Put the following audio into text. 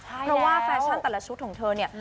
เพราะว่าแฟชั่นแต่ละชุดของเธอเนี่ย